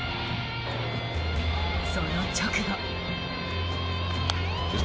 その直後。